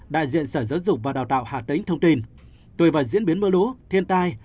đại diện sở giáo dục và đào tạo hà tĩnh thông tin tùy vào diễn biến mưa lũ thiên tai